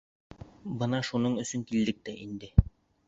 Бына шуның өсөн килдек тә инде.